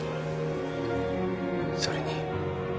それに。